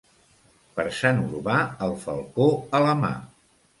Per Sant Urbà, el falcó a la mà.